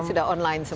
sudah online semua ya